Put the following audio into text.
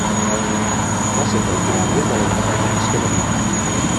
Va ser partidària de la independència de l'illa.